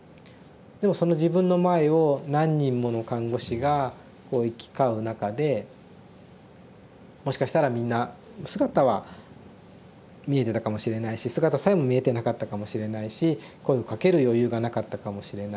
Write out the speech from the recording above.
でもその自分の前を何人もの看護師がこう行き交う中でもしかしたらみんな姿は見えてたかもしれないし姿さえも見えてなかったかもしれないし声をかける余裕がなかったかもしれない。